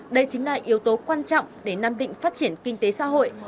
đây chính là yếu tố quan trọng để nam định phát triển kinh tế xã hội